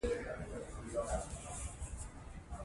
دوی کولای شي اقتصاد ته وده ورکړي.